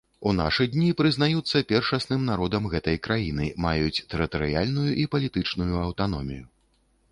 У нашы дні прызнаюцца першасным народам гэтай краіны, маюць тэрытарыяльную і палітычную аўтаномію.